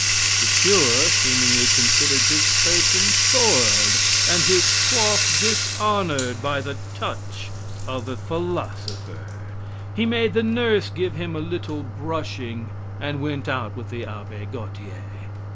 The cure seemingly considered his person soiled and his coif dishonored by the touch of a philosopher. He made the nurse give him a little brushing and went out with the Abbe Gautier.